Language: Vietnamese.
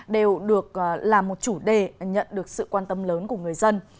đều được làm một chủ đề nhận được sự quan tâm lớn của người dân